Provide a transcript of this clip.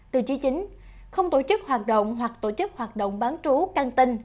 tiêu chí chín không tổ chức hoạt động hoặc tổ chức hoạt động bán trú căng tinh